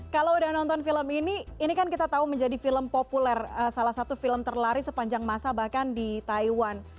kalau udah nonton film ini ini kan kita tahu menjadi film populer salah satu film terlari sepanjang masa bahkan di taiwan